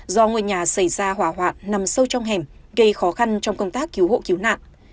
do ngôi nhà xảy ra hỏa hoạn nằm sâu trong hẻm gây khó khăn trong công tác cứu hộ cứu nạn